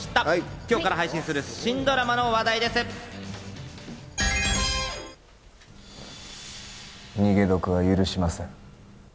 今日から配信スタートする、新ドラマの話題逃げ得は許しません。